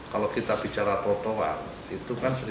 kalau kita bicara totoan itu kan satu tiga ratus x dua